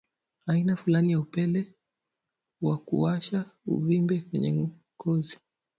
aina fulani za upele wa kuwasha uvimbe kwenye ngozi